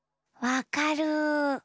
「わかる！」